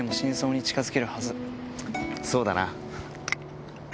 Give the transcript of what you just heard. そうだな。